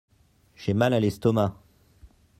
J'ai mal à l'estomac.